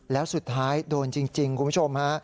แล้วสุดท้ายโดนจริงคุณผู้ชมฮะ